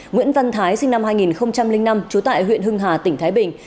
nguyễn văn thái sinh năm hai nghìn năm trú tại huyện hưng hà tỉnh thái bình